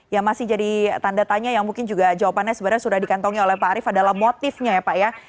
yang masih jadi tanda tanya yang mungkin juga jawabannya sebenarnya sudah dikantongi oleh pak arief adalah motifnya ya pak ya